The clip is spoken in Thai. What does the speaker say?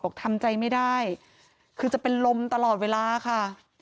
ทำใจไม่ได้คือจะเป็นลมตลอดเวลาค่ะ